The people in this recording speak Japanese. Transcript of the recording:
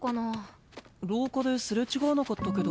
廊下ですれ違わなかったけど。